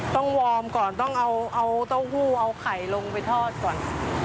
วอร์มก่อนต้องเอาเต้าหู้เอาไข่ลงไปทอดก่อน